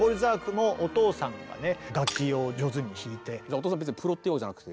お父さん別にプロってわけじゃなくて？